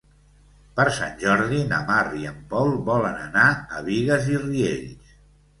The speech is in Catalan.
Per Sant Jordi na Mar i en Pol volen anar a Bigues i Riells.